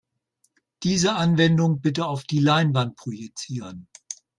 Diese Anwendung bitte auf die Leinwand projizieren.